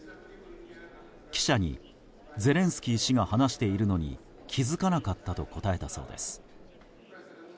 記者に、ゼレンスキー氏が話しているのに気づかなかったと答えたそうです。